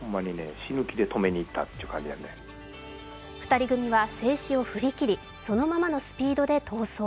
２人組は制止を振り切り、そのままのスピードで逃走。